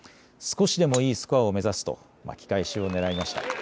少しでもいいスコアを目指すと巻き返しをねらいました。